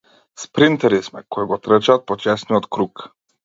Спринтери сме, кои го трчаат почесниот круг.